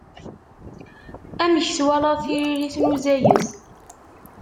Amek twalaḍ tiririt n uzayez?